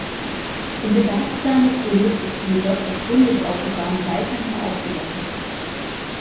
Im Bedarfsplan des Bundes ist sie jedoch als Bundesautobahn weiterhin aufgenommen.